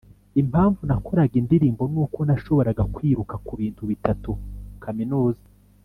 Impanvu nakoraga indirimbo nuko nashoboraga kwiruka kubintu bitatu (kaminuza